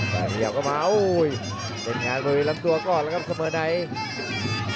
เข้าก็มาโอ้ยเป็นงานลุยลำตัวก่อนแล้วครับสเมอร์ไนต์